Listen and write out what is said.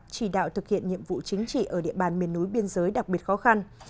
chỉ đạo thực hiện nhiệm vụ chính trị ở địa bàn miền núi biên giới đặc biệt khó khăn